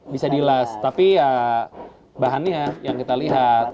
bisa dilas tapi ya bahannya yang kita lihat